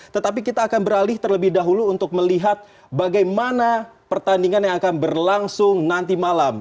tetapi kita akan beralih terlebih dahulu untuk melihat bagaimana pertandingan yang akan berlangsung nanti malam